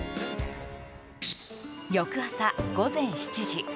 翌朝、午前７時。